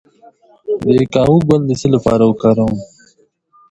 د کاهو ګل د څه لپاره وکاروم؟